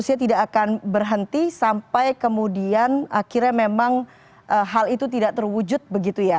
dan dia tidak akan berhenti sampai kemudian akhirnya memang hal itu tidak terwujud begitu ya